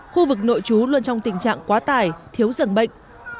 khu vực nội chú luôn trong tình trạng quá tải thiếu dần bệnh